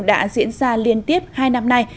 đã diễn ra liên tiếp hai năm nay